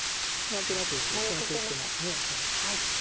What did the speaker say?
何となくけん制してます。